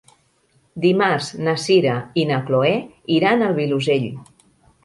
Dimarts na Sira i na Chloé iran al Vilosell.